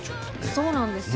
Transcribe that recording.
そうなんですよ。